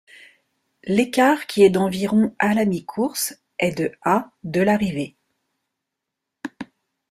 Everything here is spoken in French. L'écart, qui est d'environ à la mi-course, est de à de l'arrivée.